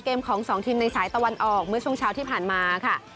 ของสองทีมในสายตะวันออกเมื่อช่วงเช้าที่ผ่านมาค่ะ